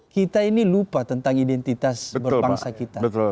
kita ini lupa tentang identitas berbangsa kita